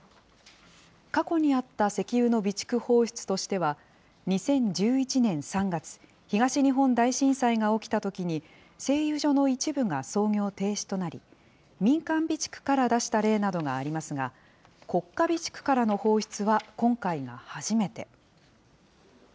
過去にあった石油の備蓄放出としては、２０１１年３月、東日本大震災が起きたときに、製油所の一部が操業停止となり、民間備蓄から出した例などがありますが、国家備蓄からの放出は今回が初めて。